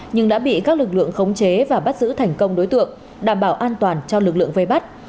nhưng đã bị các lực lượng khống chế và bắt giữ thành công đối tượng đảm bảo an toàn cho lực lượng vây bắt